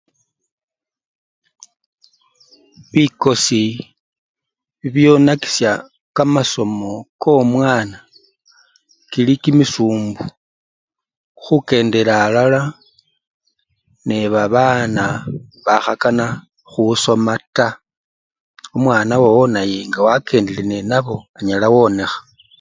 Bikosi bibyonakisya kamasomo komwana kili kimisumbu khukendela alala nebabana bakhakana khusoma taa, omwana wowo naye ngawakendele nenabo anyala wonekha.